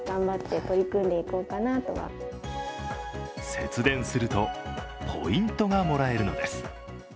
節電するとポイントがもらえるのです。